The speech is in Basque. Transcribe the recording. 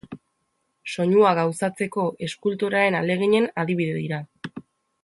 Soinua gauzatzeko eskultorearen ahaleginen adibide dira.